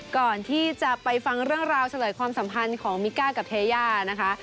ก่อนที่จะไปฟังเรื่องราวเฉลยความสัมพันธ์ของมิก้ากับเทย่านะคะ